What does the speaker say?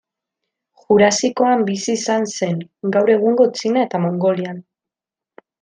Jurasikoan bizi izan zen, gaur egungo Txina eta Mongolian.